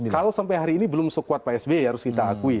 kalau sampai hari ini belum sekuat pak sby harus kita akui